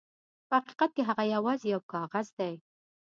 په حقیقت کې هغه یواځې یو کاغذ دی.